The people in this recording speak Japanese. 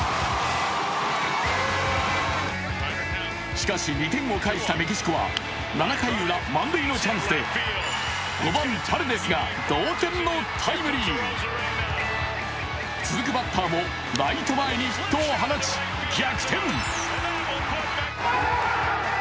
しかし、２点を返したメキシコは７回ウラ満塁のチャンスで５番・パレデスが同点のタイムリー続くバッターもライト前にヒットを放ち、逆転。